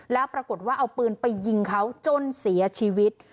แล้วปรากฏว่าเอาปืนไปยิงเขาจนเสียชีวิต